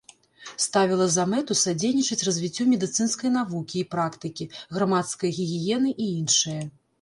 Ставіла за мэту садзейнічаць развіццю медыцынскай навукі і практыкі, грамадскай гігіены і іншае.